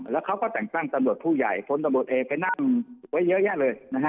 แล้วเขาก็แต่งตั้งตำรวจผู้ใหญ่พลตำรวจเอกไปนั่งไว้เยอะแยะเลย